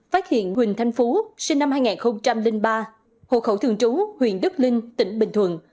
phát hiện huỳnh thanh phú sinh năm hai nghìn ba hồ khẩu thường trú huyện đức linh tỉnh bình thuận